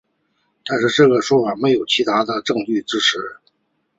但这个说法没有其他的证据支持。